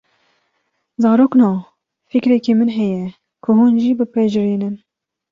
Zarokno, fikrekî min heye ku hûn jî pipejrînin